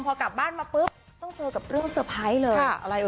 พอกลับบ้านมาปุ๊บต้องเจอกับเรื่องเซอร์ไพรส์เลย